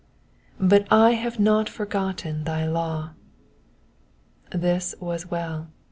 *^^But I have not forgotten thy law.'' ^ This was well.